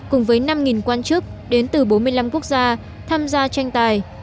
cùng với năm quan chức đến từ bốn mươi năm quốc gia tham gia tranh tài